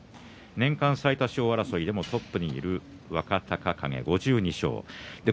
年間最多勝争いトップにいる若隆景、５２勝です。